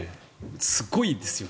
すごいですよね。